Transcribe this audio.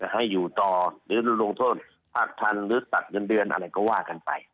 ให้อยู่ต่อหรือลงโทษภาคทันหรือตัดเงินเดือนอะไรก็ว่ากันไป